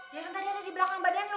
dia kan tadi ada di belakang badan lu